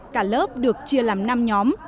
cả lớp được chia làm năm nhóm